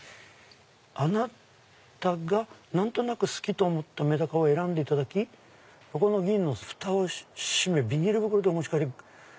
「あなたがなんとなく好きと思っためだかを選んで頂き横の銀のフタをしめビニール袋でお持ち帰り」。